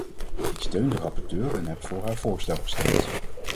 Ik steun de rapporteur en heb voor haar voorstel gestemd.